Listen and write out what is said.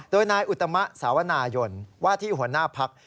โดยนายอุตมะสาวนายนว่าที่หัวหน้าพัก